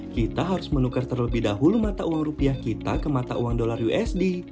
kita harus menukar terlebih dahulu mata uang rupiah kita ke mata uang dolar usd